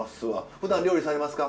ふだん料理されますか？